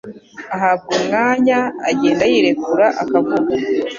ahabwa umwanya agenda yirekura akavuga